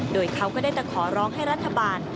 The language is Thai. โดยเขาก็ได้แต่ขอร้องให้รัฐบาล